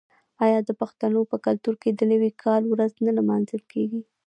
آیا د پښتنو په کلتور کې د نوي کال ورځ نه لمانځل کیږي؟